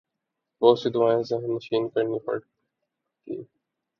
بہت سی دعائیں ذہن نشین کرنی پڑیں گی۔